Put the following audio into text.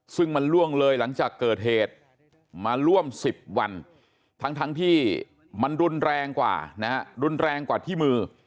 ซึ่งมันล่วงเลยหลังจากเกิดเหตุมาร่วม๑๐วันทั้งที่มันรุนแรงกว่านะฮะรุนแรงกว่าที่มือ